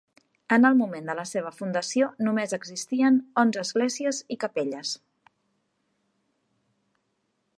En el moment de la seva fundació només existien onze esglésies i capelles.